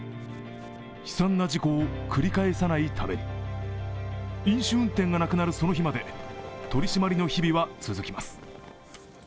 悲惨な事故を繰り返さないために飲酒運転がなくなるその日まで取り締まりの日々は続きます。